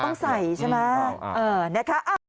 ต้องใส่ใช่ไหม